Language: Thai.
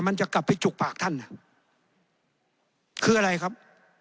มันจะกลับไปจุกปากท่านคืออะไรครับ